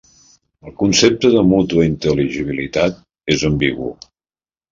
El concepte de mútua intel·ligibilitat és ambigu.